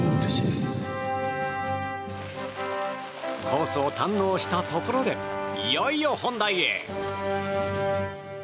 コースを堪能したところでいよいよ本題へ。